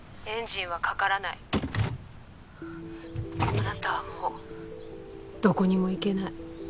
あなたはもうどこにも行けない。